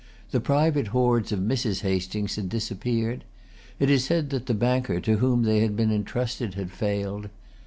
The private hoards of Mrs. Hastings had disappeared. It is said that the banker to whom they had been entrusted had failed.